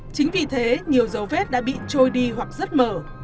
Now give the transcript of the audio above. chính vì thế nhiều dấu vết đã bị trôi đi hoặc rất mở